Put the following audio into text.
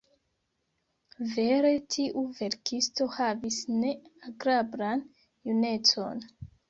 Vere tiu verkisto havis ne agrablan junecon.